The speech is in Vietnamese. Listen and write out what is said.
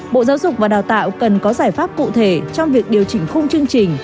bộ giáo dục và đào tạo cần có giải pháp cụ thể trong việc điều chỉnh khung chương trình